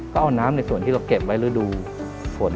ก็เอาน้ำในส่วนที่เราเก็บไว้ฤดูฝน